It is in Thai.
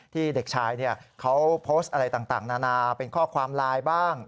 เด็กชายเขาโพสต์อะไรต่างนานาเป็นข้อความไลน์บ้าง